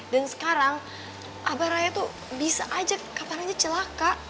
dan sekarang abah raya tuh bisa aja kapan aja celaka